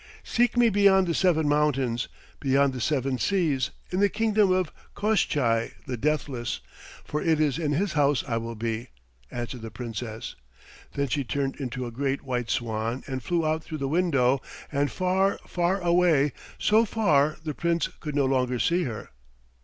"Seek me beyond the seven mountains, beyond the seven seas, in the kingdom of Koshchei the Deathless, for it is in his house I will be," answered the Princess. Then she turned into a great white swan and flew out through the window and far, far away; so far the Prince could no longer see her.